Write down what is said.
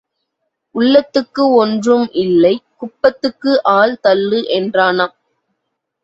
உள்ளத்துக்கு ஒன்றும் இல்லை குப்பத்துக்கு ஆள் தள்ளு என்றானாம்.